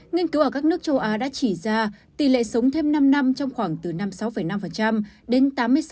nghiên cứu ở các nước châu á đã chỉ ra tỷ lệ sống thêm năm năm trong khoảng từ năm mươi sáu năm đến tám mươi sáu sáu